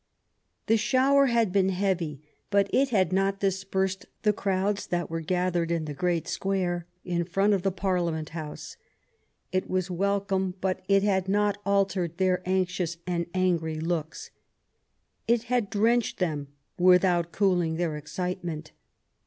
The shower had been heavy, but it had not dispersed the crowds that were gathered in the great square in front of the Parliament House. It was welcome, but it had not altered their anxious and angry looks; it had drenched them without cooling their excitement.